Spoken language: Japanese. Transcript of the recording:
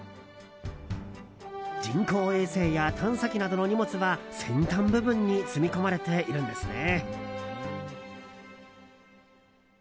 人工衛星や探査機などの荷物は先端部分に積み込まれているんですね。